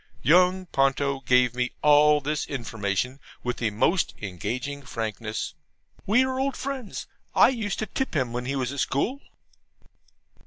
Young Ponto gave me all this information with the most engaging frankness. We are old friends. I used to tip him when he was at school.